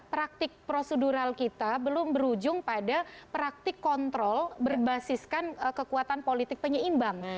praktik prosedural kita belum berujung pada praktik kontrol berbasiskan kekuatan politik penyeimbang